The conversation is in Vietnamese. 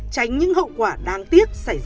tránh những hậu quả đáng tiếc xảy ra